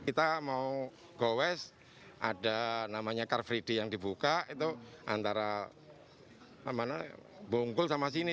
kita mau go west ada namanya car free day yang dibuka itu antara bungkul sama sini